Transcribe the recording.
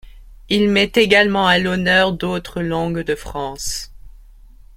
Il met également à l'honneur d'autres langues de France.